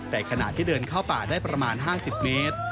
แต่ขณะที่เดินเข้าป่าได้ประมาณ๕๐เมตร